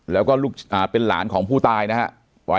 แล้วก็เป็นหลานของผู้ตายนะครับ